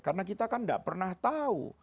karena kita kan gak pernah tahu